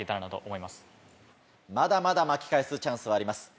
まだまだ巻き返すチャンスはあります。